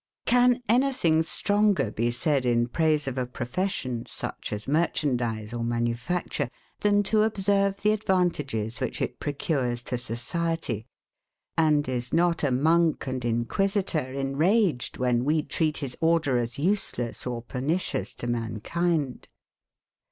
Can anything stronger be said in praise of a profession, such as merchandize or manufacture, than to observe the advantages which it procures to society; and is not a monk and inquisitor enraged when we treat his order as useless or pernicious to mankind?